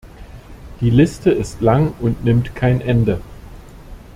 Die Liste ist lang und nimmt kein Ende.